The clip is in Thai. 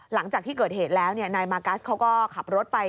หลังจากที่เกิดเหตุแล้วนายมากัสเขาก็ขับรถไป